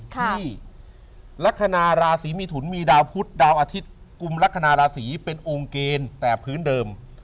ที่ลักษณะราศีมิถุนมีดาวพุทธดาวอาทิตย์กุมลักษณะราศีเป็นองค์เกณฑ์แต่พื้นเดิม